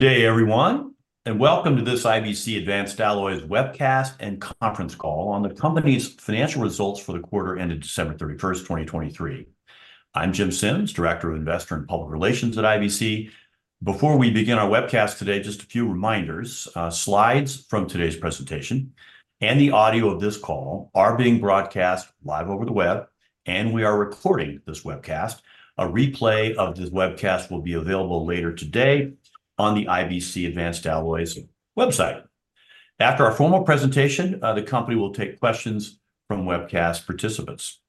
Good day, everyone, and welcome to this IBC Advanced Alloys webcast and conference call on the company's financial results for the quarter ended December 31st, 2023. I'm Jim Sims, Director of Investor and Public Relations at IBC. Before we begin our webcast today, just a few reminders. Slides from today's presentation and the audio of this call are being broadcast live over the web, and we are recording this webcast. A replay of this webcast will be available later today on the IBC Advanced Alloys website. After our formal presentation, the company will take questions from webcast participants.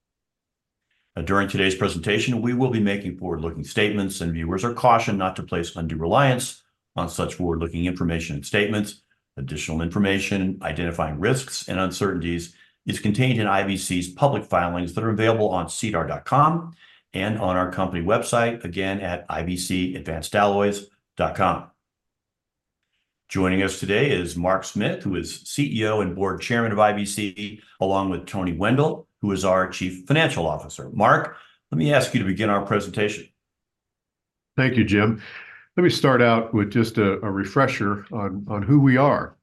During today's presentation, we will be making forward-looking statements, and viewers are cautioned not to place undue reliance on such forward-looking information and statements. Additional information, identifying risks and uncertainties, is contained in IBC's public filings that are available on sedar.com and on our company website, again, at ibcadvancedalloys.com. Joining us today is Mark Smith, who is CEO and Board Chairman of IBC, along with Tony Wendel, who is our Chief Financial Officer. Mark, let me ask you to begin our presentation. Thank you, Jim. Let me start out with just a refresher on who we are.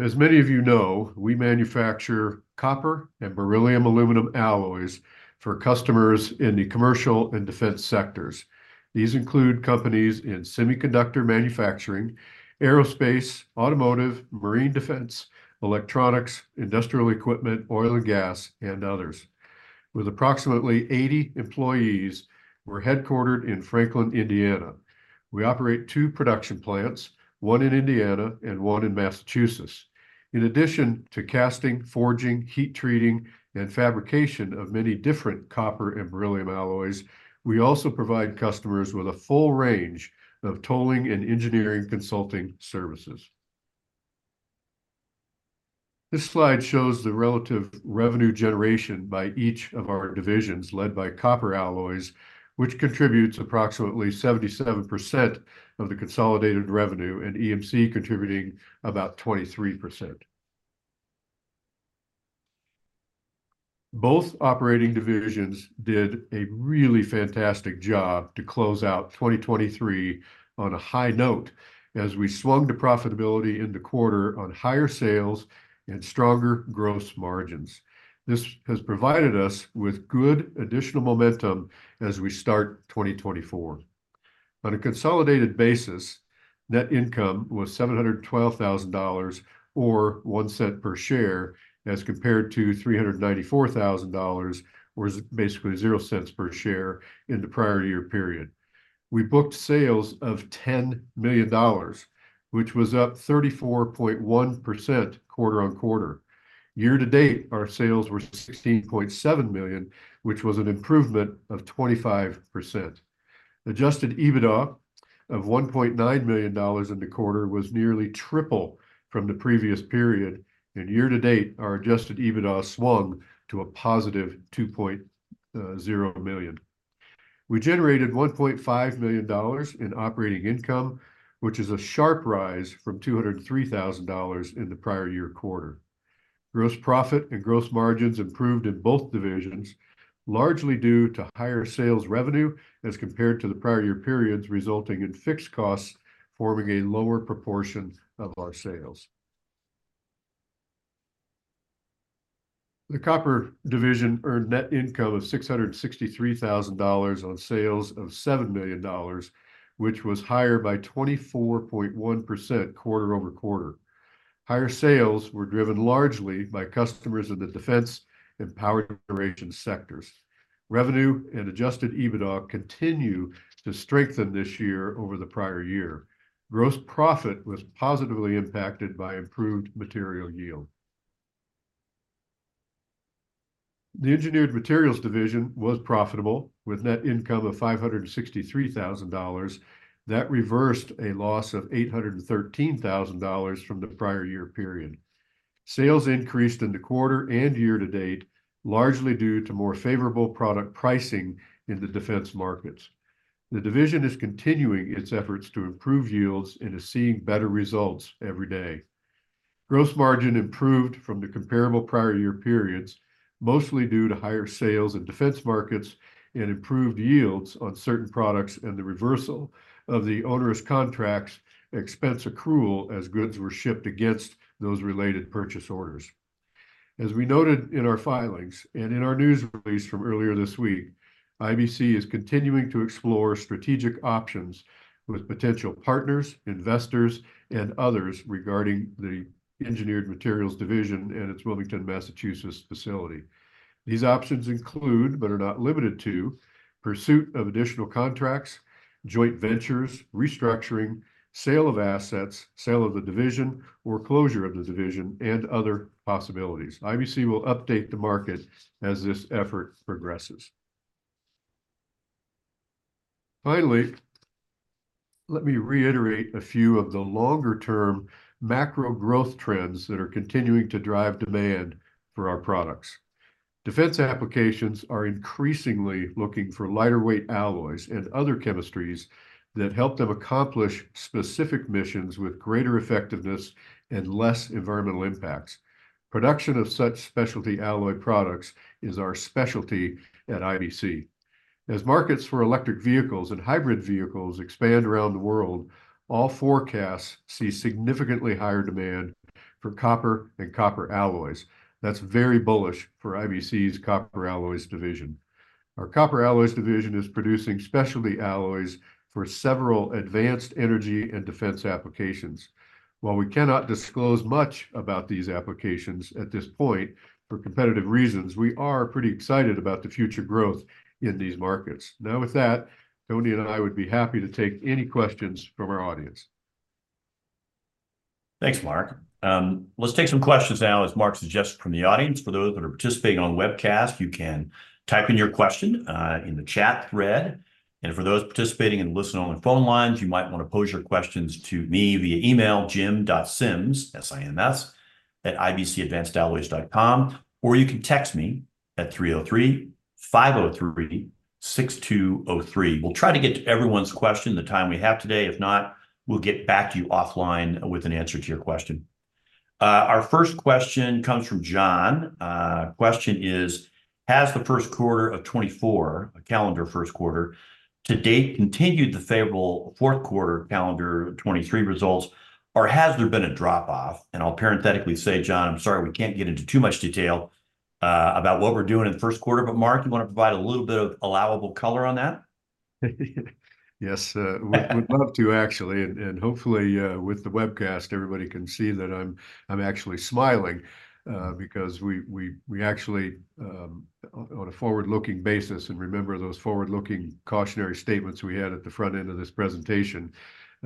As many of you know, we manufacture copper and beryllium aluminum alloys for customers in the commercial and defense sectors. These include companies in semiconductor manufacturing, aerospace, automotive, marine defense, electronics, industrial equipment, oil and gas, and others. With approximately 80 employees, we're headquartered in Franklin, Indiana. We operate 2 production plants, one in Indiana and one in Massachusetts. In addition to casting, forging, heat treating, and fabrication of many different copper and beryllium alloys, we also provide customers with a full range of tolling and engineering consulting services. This slide shows the relative revenue generation by each of our divisions, led by Copper Alloys, which contributes approximately 77% of the consolidated revenue, and EMC contributing about 23%. Both operating divisions did a really fantastic job to close out 2023 on a high note, as we swung to profitability in the quarter on higher sales and stronger gross margins. This has provided us with good additional momentum as we start 2024. On a consolidated basis, net income was $712,000, or $0.01 per share, as compared to $394,000, or basically $0.00 per share, in the prior year period. We booked sales of $10 million, which was up 34.1% quarter-over-quarter. Year to date, our sales were $16.7 million, which was an improvement of 25%. Adjusted EBITDA of $1.9 million in the quarter was nearly triple from the previous period, and year to date, our adjusted EBITDA swung to a positive $2.0 million. We generated $1.5 million in operating income, which is a sharp rise from $203,000 in the prior year quarter. Gross profit and gross margins improved in both divisions, largely due to higher sales revenue as compared to the prior year periods, resulting in fixed costs forming a lower proportion of our sales. The Copper division earned net income of $663,000 on sales of $7 million, which was higher by 24.1% quarter-over-quarter. Higher sales were driven largely by customers in the defense and power generation sectors. Revenue and Adjusted EBITDA continue to strengthen this year over the prior year. Gross profit was positively impacted by improved material yield. The Engineered Materials division was profitable, with net income of $563,000. That reversed a loss of $813,000 from the prior year period. Sales increased in the quarter and year to date, largely due to more favorable product pricing in the defense markets. The division is continuing its efforts to improve yields and is seeing better results every day. Gross margin improved from the comparable prior year periods, mostly due to higher sales in defense markets and improved yields on certain products, and the reversal of the onerous contracts expense accrual as goods were shipped against those related purchase orders. As we noted in our filings and in our news release from earlier this week, IBC is continuing to explore strategic options with potential partners, investors, and others regarding the Engineered Materials division and its Wilmington, Massachusetts facility. These options include, but are not limited to, pursuit of additional contracts, joint ventures, restructuring, sale of assets, sale of the division, or closure of the division, and other possibilities. IBC will update the market as this effort progresses. Finally, let me reiterate a few of the longer term macro growth trends that are continuing to drive demand for our products. Defense applications are increasingly looking for lighter weight alloys and other chemistries that help them accomplish specific missions with greater effectiveness and less environmental impacts. Production of such specialty alloy products is our specialty at IBC. As markets for electric vehicles and hybrid vehicles expand around the world, all forecasts see significantly higher demand for copper and Copper Alloys. That's very bullish for IBC's Copper Alloys division. Our Copper Alloys division is producing specialty alloys for several advanced energy and defense applications. While we cannot disclose much about these applications at this point, for competitive reasons, we are pretty excited about the future growth in these markets. Now, with that, Tony and I would be happy to take any questions from our audience. Thanks, Mark. Let's take some questions now, as Mark suggested, from the audience. For those that are participating on the webcast, you can type in your question in the chat thread, and for those participating and listening on the phone lines, you might wanna pose your questions to me via email, jim.sims, S-I-M-S, @ibcadvancedalloys.com, or you can text me at 303-503-6203. We'll try to get to everyone's question in the time we have today. If not, we'll get back to you offline with an answer to your question. Our first question comes from John. Question is: "Has the first quarter of 2024, calendar first quarter, to date continued the favorable fourth quarter calendar 2023 results, or has there been a drop-off?" And I'll parenthetically say, John, I'm sorry, we can't get into too much detail, about what we're doing in the first quarter, but Mark, you wanna provide a little bit of allowable color on that? Yes. We'd love to, actually, and hopefully with the webcast, everybody can see that I'm actually smiling, because we actually, on a forward-looking basis, and remember those forward-looking cautionary statements we had at the front end of this presentation.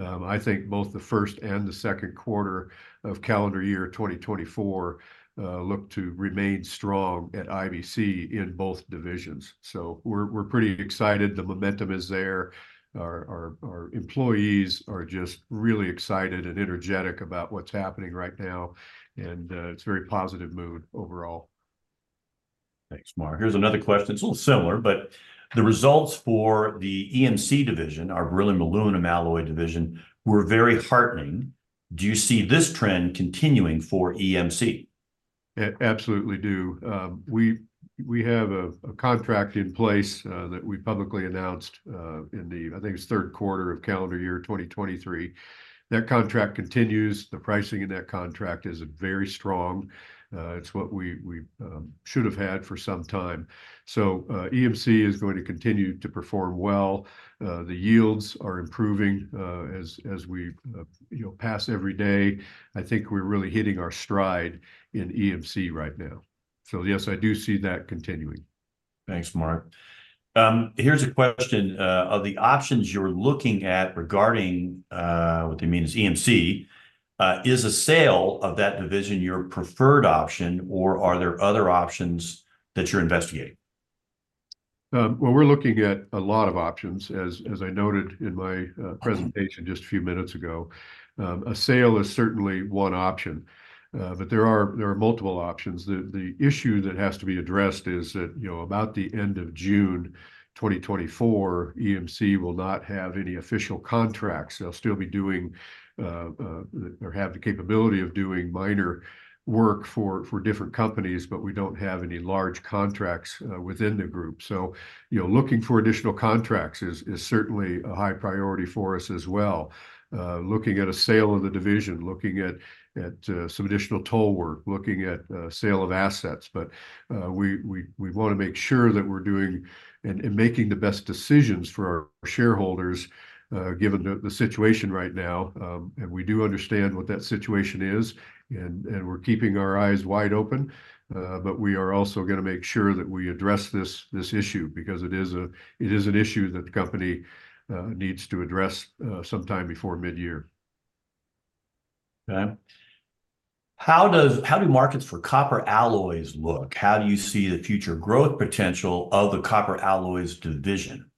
I think both the first and the second quarter of calendar year 2024 look to remain strong at IBC in both divisions. So we're pretty excited. The momentum is there. Our employees are just really excited and energetic about what's happening right now, and it's a very positive mood overall. Thanks, Mark. Here's another question. It's a little similar, but the results for the EMC division, our beryllium and aluminum alloy division, were very heartening. Do you see this trend continuing for EMC? I absolutely do. We have a contract in place that we publicly announced in the, I think it's third quarter of calendar year 2023. That contract continues. The pricing in that contract is very strong. It's what we should have had for some time. So, EMC is going to continue to perform well. The yields are improving as we you know, pass every day. I think we're really hitting our stride in EMC right now. So yes, I do see that continuing. Thanks, Mark. Here's a question: "Of the options you're looking at regarding..." what they mean is EMC, "... is a sale of that division your preferred option, or are there other options that you're investigating? Well, we're looking at a lot of options, as I noted in my Mm-hmm... presentation just a few minutes ago. A sale is certainly one option, but there are multiple options. The issue that has to be addressed is that, you know, about the end of June 2024, EMC will not have any official contracts. They'll still be doing or have the capability of doing minor work for different companies, but we don't have any large contracts within the group. So, you know, looking for additional contracts is certainly a high priority for us as well, looking at a sale of the division, looking at some additional toll work, looking at sale of assets. But we wanna make sure that we're doing and making the best decisions for our shareholders, given the situation right now. And we do understand what that situation is, and we're keeping our eyes wide open. But we are also gonna make sure that we address this issue, because it is an issue that the company needs to address sometime before midyear. Okay. How do markets for Copper Alloys look? How do you see the future growth potential of the Copper Alloys division?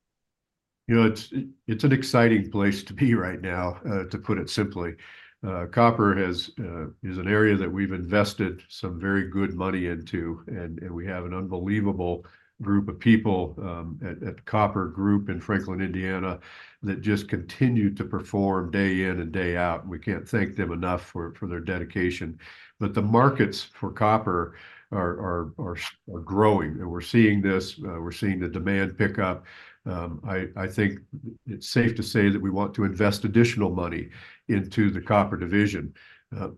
You know, it's, it's an exciting place to be right now, to put it simply. Copper is an area that we've invested some very good money into, and we have an unbelievable group of people at the Copper group in Franklin, Indiana, that just continue to perform day in and day out, and we can't thank them enough for their dedication. But the markets for copper are growing, and we're seeing this. We're seeing the demand pick up. I think it's safe to say that we want to invest additional money into the Copper division.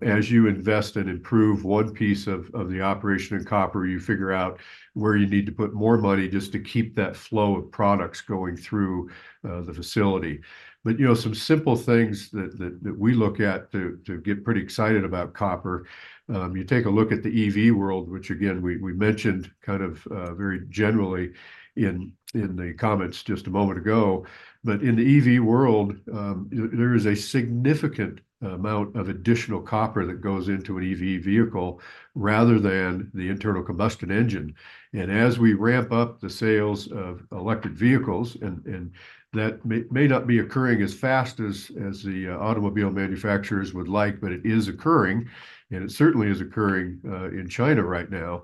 As you invest and improve one piece of the operation in copper, you figure out where you need to put more money just to keep that flow of products going through the facility. But, you know, some simple things that we look at to get pretty excited about copper, you take a look at the EV world, which again, we mentioned kind of very generally in the comments just a moment ago, but in the EV world, there is a significant amount of additional copper that goes into an EV vehicle, rather than the internal combustion engine. And as we ramp up the sales of electric vehicles, and that may not be occurring as fast as the automobile manufacturers would like, but it is occurring, and it certainly is occurring in China right now,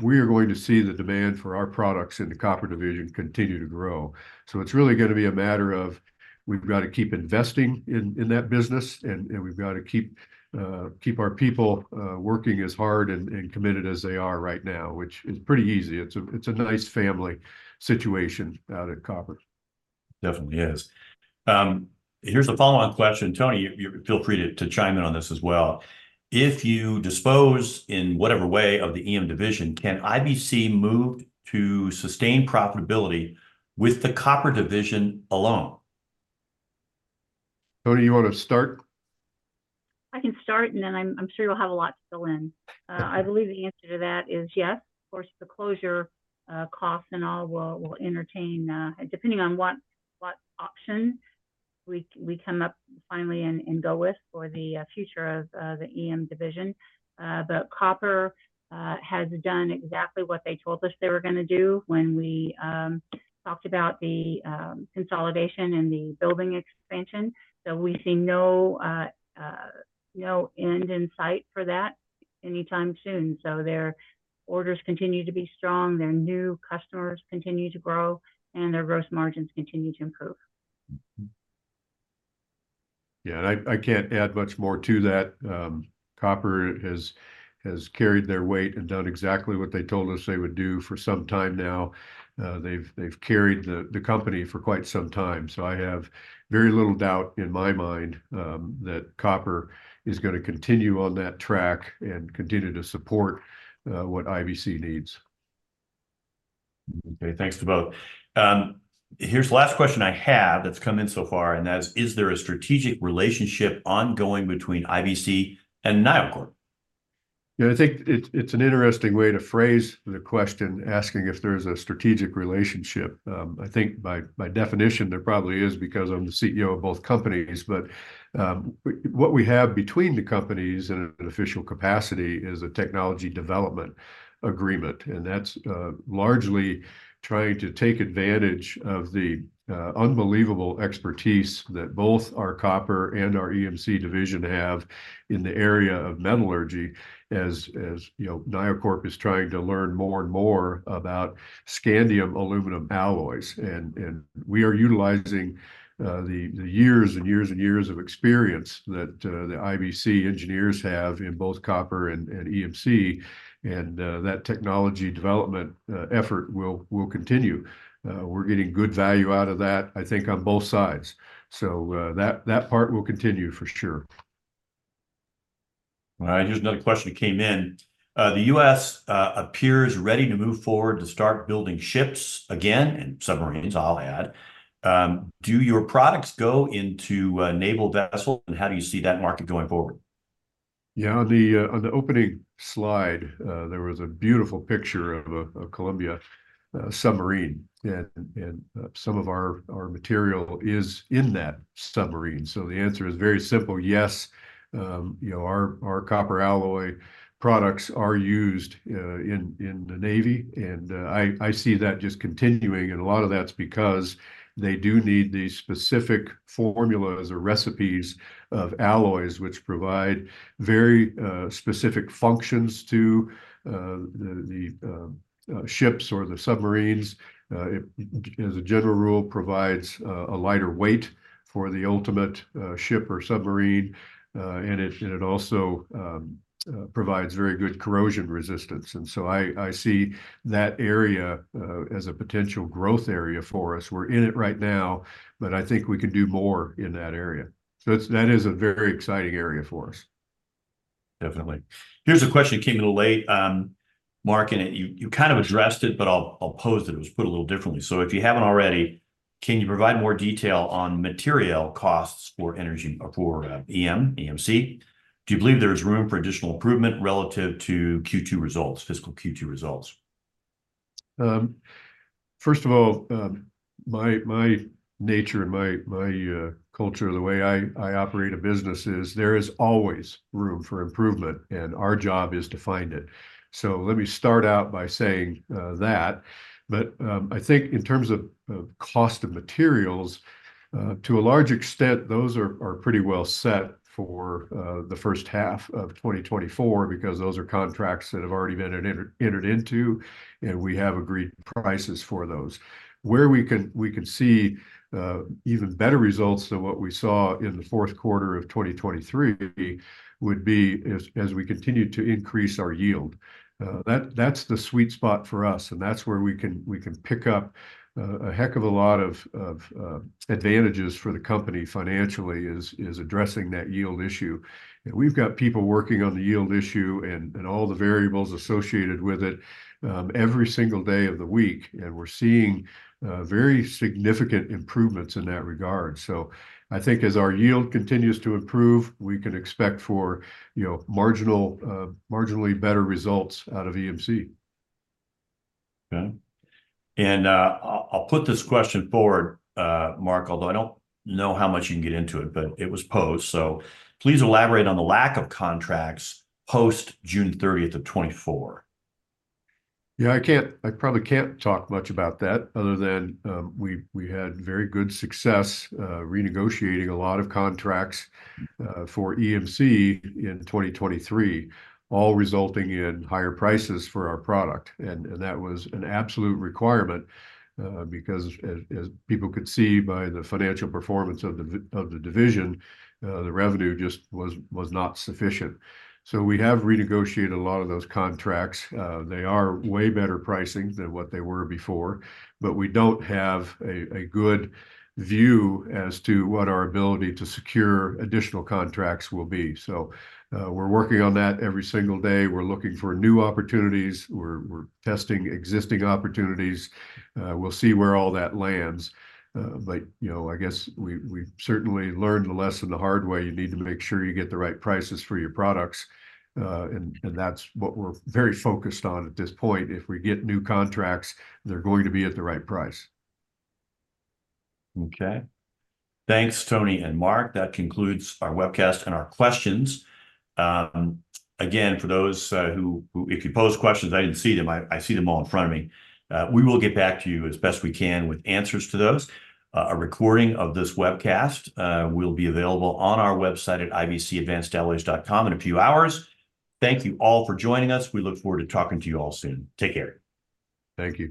we are going to see the demand for our products in the Copper division continue to grow. So it's really gonna be a matter of… We've got to keep investing in that business, and we've got to keep our people working as hard and committed as they are right now, which is pretty easy. It's a nice family situation out at Copper. Definitely is. Here's a follow-on question. Tony, you feel free to chime in on this as well. If you dispose in whatever way of the EM division, can IBC move to sustain profitability with the Copper division alone? Tony, you wanna start? I can start, and then I'm sure you'll have a lot to fill in. I believe the answer to that is yes. Of course, the closure costs and all will entertain depending on what option we come up finally and go with for the future of the EM division. But Copper has done exactly what they told us they were gonna do when we talked about the consolidation and the building expansion. So we see no end in sight for that anytime soon. So their orders continue to be strong, their new customers continue to grow, and their gross margins continue to improve. Mm-hmm. Yeah, and I can't add much more to that. Copper has carried their weight and done exactly what they told us they would do for some time now. They've carried the company for quite some time, so I have very little doubt in my mind that Copper is gonna continue on that track and continue to support what IBC needs. Okay, thanks to both. Here's the last question I have that's come in so far, and that is: Is there a strategic relationship ongoing between IBC and NioCorp? Yeah, I think it's an interesting way to phrase the question, asking if there's a strategic relationship. I think by definition, there probably is, because I'm the CEO of both companies. But what we have between the companies in an official capacity is a technology development agreement, and that's largely trying to take advantage of the unbelievable expertise that both our Copper and our EMC division have in the area of metallurgy. As you know, NioCorp is trying to learn more and more about scandium aluminum alloys, and we are utilizing the years and years and years of experience that the IBC engineers have in both Copper and EMC, and that technology development effort will continue. We're getting good value out of that, I think, on both sides, so that part will continue for sure. All right, here's another question that came in. The U.S. appears ready to move forward to start building ships again, and submarines, I'll add. Do your products go into a naval vessel, and how do you see that market going forward? Yeah, on the opening slide, there was a beautiful picture of a Columbia submarine, and some of our material is in that submarine. So the answer is very simple: yes, you know, our copper alloy products are used in the Navy, and I see that just continuing, and a lot of that's because they do need these specific formulas or recipes of alloys, which provide very specific functions to the ships or the submarines. As a general rule, provides a lighter weight for the ultimate ship or submarine, and it also provides very good corrosion resistance. And so I see that area as a potential growth area for us. We're in it right now, but I think we can do more in that area. So it's... That is a very exciting area for us. Definitely. Here's a question that came in a little late, Mark, and you kind of addressed it, but I'll pose it. It was put a little differently. "So if you haven't already, can you provide more detail on material costs for energy, or for EM, EMC? Do you believe there is room for additional improvement relative to Q2 results, fiscal Q2 results? First of all, my nature and my culture, the way I operate a business, is that there is always room for improvement, and our job is to find it, so let me start out by saying that. But, I think in terms of cost of materials, to a large extent, those are pretty well set for the first half of 2024, because those are contracts that have already been entered into, and we have agreed prices for those. Where we could see even better results than what we saw in the fourth quarter of 2023 would be as we continue to increase our yield. That's the sweet spot for us, and that's where we can—we can pick up a heck of a lot of advantages for the company financially, is addressing that yield issue. And we've got people working on the yield issue and all the variables associated with it every single day of the week, and we're seeing very significant improvements in that regard. So I think as our yield continues to improve, we can expect for, you know, marginal, marginally better results out of EMC. Okay. And, I'll put this question forward, Mark, although I don't know how much you can get into it, but it was posed. So please elaborate on the lack of contracts post June 30th of 2024. Yeah, I can't. I probably can't talk much about that, other than we had very good success renegotiating a lot of contracts for EMC in 2023, all resulting in higher prices for our product. And that was an absolute requirement, because as people could see by the financial performance of the division, the revenue just was not sufficient. So we have renegotiated a lot of those contracts. They are way better pricing than what they were before, but we don't have a good view as to what our ability to secure additional contracts will be. So, we're working on that every single day. We're looking for new opportunities. We're testing existing opportunities. We'll see where all that lands. But, you know, I guess we've certainly learned the lesson the hard way. You need to make sure you get the right prices for your products, and that's what we're very focused on at this point. If we get new contracts, they're going to be at the right price. Okay. Thanks, Tony and Mark. That concludes our webcast and our questions. Again, for those who, if you posed questions, I didn't see them. I see them all in front of me. We will get back to you as best we can with answers to those. A recording of this webcast will be available on our website at ibcadvancedalloys.com in a few hours. Thank you all for joining us. We look forward to talking to you all soon. Take care. Thank you.